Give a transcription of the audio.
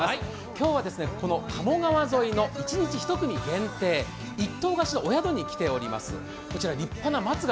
今日は、この鴨川沿いの一日一組限定、一棟貸しのお宿に来ております。